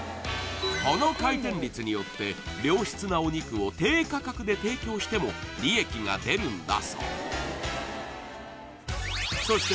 この回転率によって良質なお肉を低価格で提供しても利益が出るんだそう